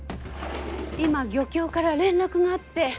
今漁協から連絡があって。